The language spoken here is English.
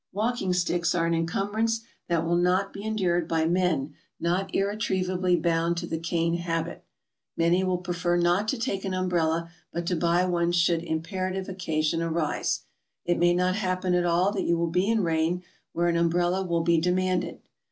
Walking sticks are an incumbrance that will not be en dured by men not irretrievably bound to the cane habit. Many will prefer not to take an umbrella, but to buy one should imperative occasion arise; it may not happen at all that you will be in rain where an umbrella will be demanded.